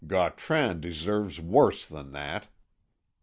Gautran deserves worse than that."